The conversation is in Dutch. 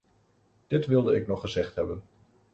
Dit wilde ik nog gezegd hebben.